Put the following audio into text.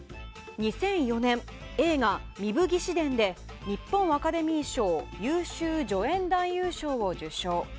２００４年映画「壬生義士伝」で日本アカデミー賞優秀助演男優賞を受賞。